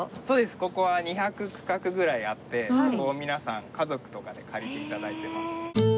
ここは２００区画ぐらいあってそこを皆さん家族とかで借りて頂いてます。